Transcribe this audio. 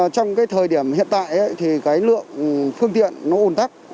trong cái thời điểm hiện tại thì cái lượng phương tiện nó ồn tắc